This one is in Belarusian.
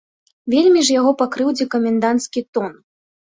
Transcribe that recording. Вельмі ж яго пакрыўдзіў каменданцкі тон.